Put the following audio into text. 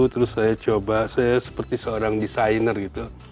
terus saya coba saya seperti seorang desainer gitu